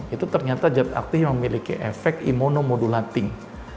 itu ternyata jad aktif yang memiliki efek imunomodulating